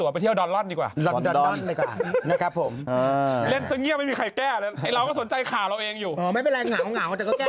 ๔ปีซ้อนครูเทพฯมาสุดยอดมากเลยนะครับ